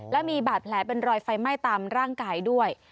และมีบาดแผลเป็นรอยไฟไหม้ตามร่างกายด้วย